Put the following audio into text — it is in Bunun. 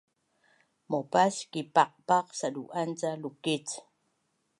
Maupas kipaqpaq sadu’an ca lukic